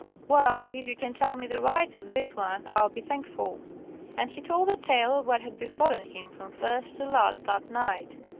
"Well, if you can tell me the rights of this one, I'll be thankful." And he told the tale of what had befallen him from first to last that night.